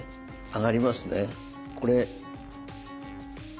上がりますねこれ。